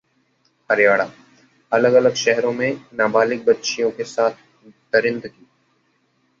हरियाणाः अलग-अलग शहरों में नाबालिग बच्चियों के साथ दरिंदगी